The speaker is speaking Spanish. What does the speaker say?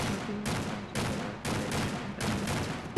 No tiene una sanción legal por el ayuntamiento.